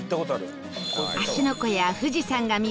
芦ノ湖や富士山が見渡せ